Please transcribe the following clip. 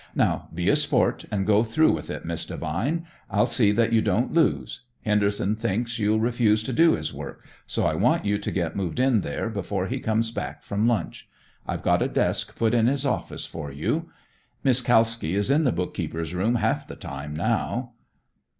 "Now, be a sport and go through with it, Miss Devine. I'll see that you don't lose. Henderson thinks you'll refuse to do his work, so I want you to get moved in there before he comes back from lunch. I've had a desk put in his office for you. Miss Kalski is in the bookkeeper's room half the time now."